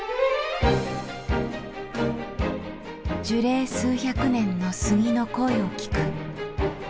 樹齢数百年の杉の声を聴く。